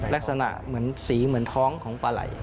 ลักษณะเหมือนสีเหมือนท้องของปลาไหล่